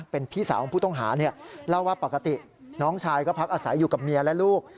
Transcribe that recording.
เป็นพี่สาวของผู้ต้องหาเล่าว่าปกติน้องชายก็พักอาศัยอยู่กับเมียและลูก